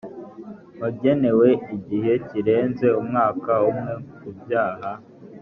wagenwe igihe kirenze umwaka umwe ku byaha